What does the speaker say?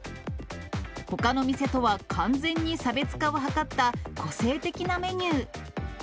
ほかの店とは完全に差別化を図った個性的なメニュー。